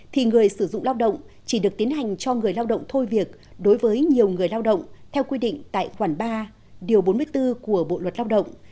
thì người sử dụng lao động chỉ được tiến hành cho người lao động thôi việc đối với nhiều người lao động theo quy định tại khoản ba điều bốn mươi bốn của bộ luật lao động